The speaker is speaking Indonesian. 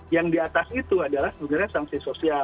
yang di atas itu adalah sebenarnya sangsi sosial ya